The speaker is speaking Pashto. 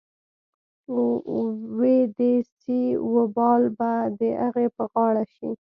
وې دې سي وبال به د اغې په غاړه شي.